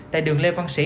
tại đường lê văn sĩ